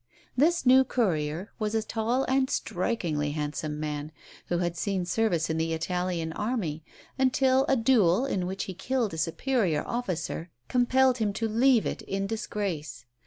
This new courier was a tall and strikingly handsome man, who had seen service in the Italian army, until a duel, in which he killed a superior officer, compelled him to leave it in disgrace.